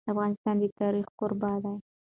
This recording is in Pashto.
افغانستان د تاریخ کوربه دی.